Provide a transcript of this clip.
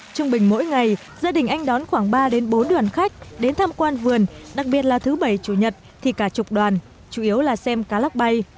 trung bình mỗi ngày gia đình anh đón khoảng ba bốn đoàn khách đến tham quan vườn đặc biệt là thứ bảy chủ nhật thì cả chục đoàn chủ yếu là xem cá lóc bay